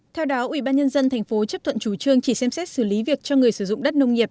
theo đó ủy ban nhân dân tp hcm chấp thuận chủ trương chỉ xem xét xử lý việc cho người sử dụng đất nông nghiệp